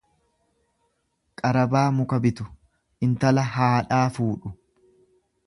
Qarabaa muka bitu intala haadhaa fuudhu.